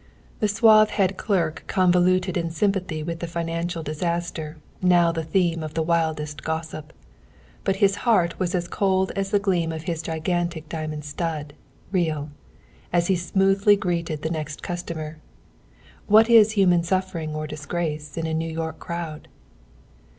The suave head clerk convoluted in sympathy with the financial disaster, now the theme of the wildest gossip. But his heart was as cold as the gleam of his gigantic diamond stud (real), as he smoothly greeted the next customer. What is human suffering or disgrace in a New York crowd?